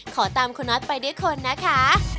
ขอตามคุณน็อตไปด้วยคนนะคะ